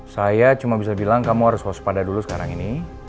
saya cuma bisa bilang kamu harus waspada dulu sekarang ini